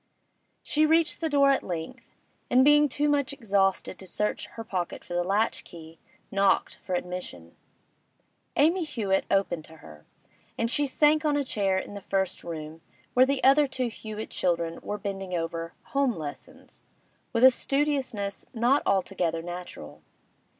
She reached the door at length, and being too much exhausted to search her pocket for the latch key, knocked for admission. Amy Hewett opened to her, and she sank on a chair in the first room, where the other two Hewett children were bending over 'home lessons' with a studiousness not altogether natural.